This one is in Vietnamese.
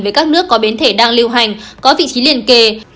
với các nước có biến thể đang lưu hành có vị trí liên kề